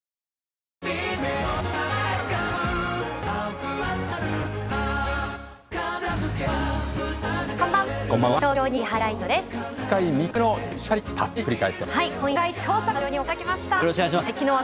こんばんは。